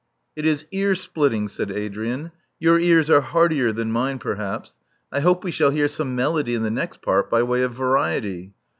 *'It is ear splitting," said Adrian. Your ears are hardier than mine, perhaps. I hope we shall hear some melody in the next part, by way of variety.